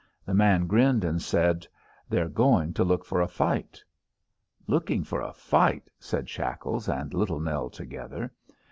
The man grinned, and said, "They're going to look for a fight!" "Looking for a fight!" said Shackles and Little Nell together.